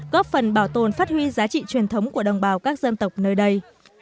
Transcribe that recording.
góp phần bảo tồn phát huy giá trị truyền thống của đồng bào các dân tộc nơi đây